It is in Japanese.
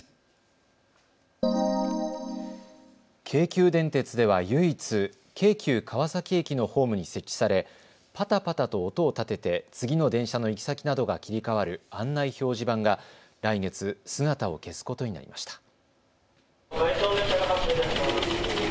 京急電鉄では唯一、京急川崎駅のホームに設置されパタパタと音を立てて次の電車の行き先などが切り替わる案内表示板が来月、姿を消すことになりました。